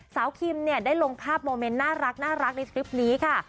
สาวคิมได้ลงภาพโมเมนต์น่ารักในคลิปนี้ค่ะ